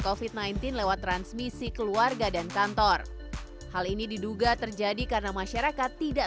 covid sembilan belas lewat transmisi keluarga dan kantor hal ini diduga terjadi karena masyarakat tidak